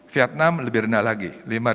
vietnam lebih rendah lagi